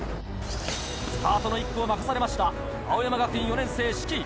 スタートの１区を任されました青山学院４年生志貴。